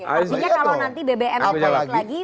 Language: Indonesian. artinya kalau nanti bbm naik lagi